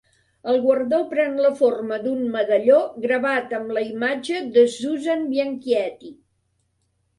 El guardó pren la forma d'un medalló gravat amb la imatge de Suzanne Bianchetti.